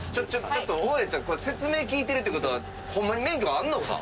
ちょっと大家ちゃん説明聞いてるって事はホンマに免許あんのか？